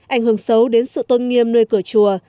ảnh hưởng xấu đến sự tôn nghiêm nơi cửa chùa